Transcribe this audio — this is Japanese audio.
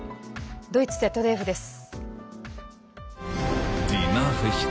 ドイツＺＤＦです。